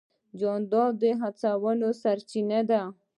جانداد د هڅونې سرچینه دی.